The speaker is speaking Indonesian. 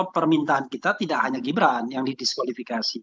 permintaan kita tidak hanya gibran yang didiskualifikasi